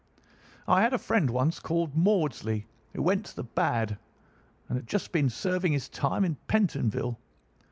"I had a friend once called Maudsley, who went to the bad, and has just been serving his time in Pentonville.